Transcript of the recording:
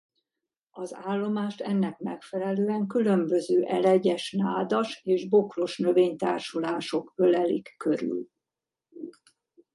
Az állomást ennek megfelelően különböző elegyes nádas- és bokros növénytársulások ölelik körül.